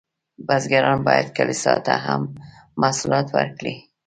بزګران باید کلیسا ته هم محصولات ورکړي.